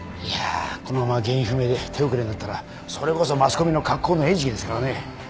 いやこのまま原因不明で手遅れになったらそれこそマスコミの格好の餌食ですからね。